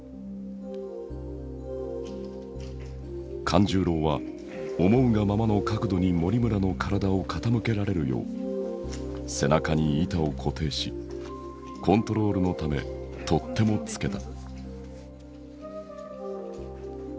勘十郎は思うがままの角度に森村の体を傾けられるよう背中に板を固定しコントロールのため取っ手も付けた。